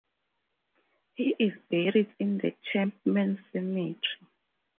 He is buried in the Chapman Cemetery.